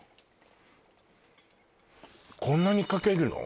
こんなにかけるの？